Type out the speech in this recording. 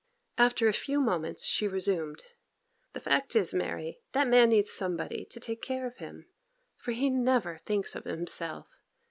After a few moments she resumed. 'The fact is, Mary, that man needs somebody to take care of him, for he never thinks of himself.